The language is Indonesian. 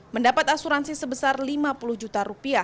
mendapat asuransi sebesar rp lima puluh juta rupiah